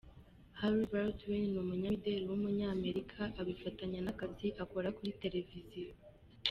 Hailey Baldwin, ni umunyamideli w’Umunyamerika, abifatanya n’akazi akora kuri Televiziyo.